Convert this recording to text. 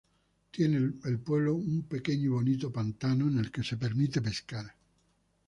Tiene el pueblo un pequeño y bonito pantano en el que se permite pescar.